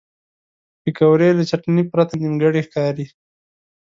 پکورې له چټنې پرته نیمګړې ښکاري